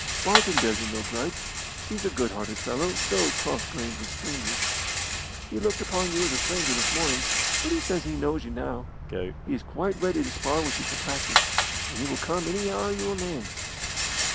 Barton bears you no grudge. He's a good hearted fellow, though cross grained with strangers. He looked upon you as a stranger this morning, but he says he knows you now. He is quite ready to spar with you for practice, and he will come any hour you will name."